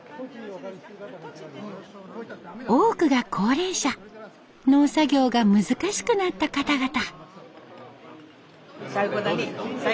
多くが高齢者農作業が難しくなった方々。